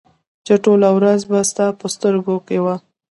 چې ټوله ورځ به ستا په سترګو کې وه